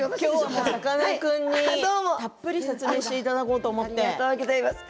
さかなクンにたっぷり説明していただこうと思って。